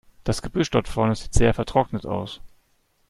Das Gebüsch dort vorne sieht sehr vertrocknet aus.